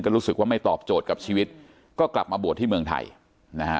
รู้สึกว่าไม่ตอบโจทย์กับชีวิตก็กลับมาบวชที่เมืองไทยนะฮะ